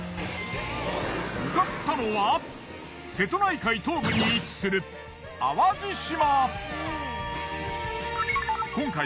向かったのは瀬戸内海東部に位置する淡路島。